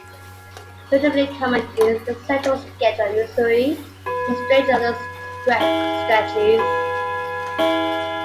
Relatively common in the central stretch of Misuri, but strange in other stretches.